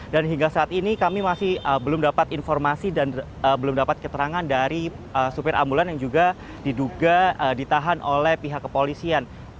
dan hingga saat ini kami masih belum dapat informasi dan belum dapat keterangan dari supir ambulans yang juga diduga ditahan oleh pihak kepolisian